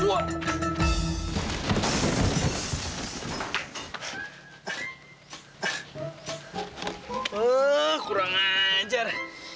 eh kurang ajar